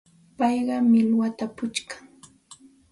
Payqa millwatam puchkan.